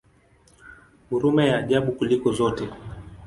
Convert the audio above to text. Huruma ya ajabu kuliko zote!